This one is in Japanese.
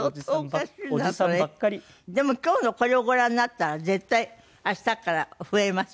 でも今日のこれをご覧になったら絶対明日から増えますよ。